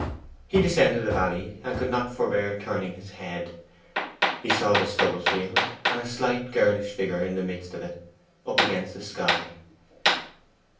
He descended the valley, and could not forbear turning his head. He saw the stubble field, and a slight girlish figure in the midst of it up against the sky.